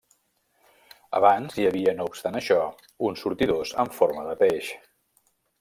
Abans hi havia, no obstant això, uns sortidors en forma de peix.